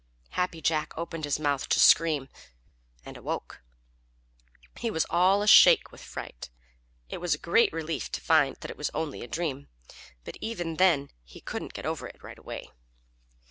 Happy Jack opened his mouth to scream, and awoke. He was all ashake with fright. It was a great relief to find that it was only a dream, but even then he couldn't get over it right away.